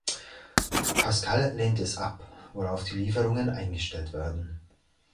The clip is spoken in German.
Pascal lehnt es ab, worauf die Lieferungen eingestellt werden.